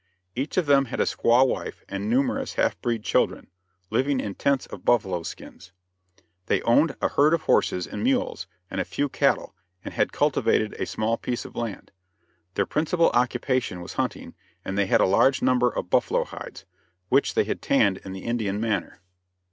Each of them had a squaw wife and numerous half breed children, living in tents of buffalo skins. They owned a herd of horses and mules and a few cattle, and had cultivated a small piece of land. Their principal occupation was hunting, and they had a large number of buffalo hides, which, they had tanned in the Indian manner.